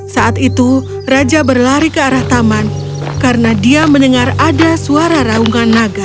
saat itu raja berlari ke arah taman karena dia mendengar ada suara raungan naga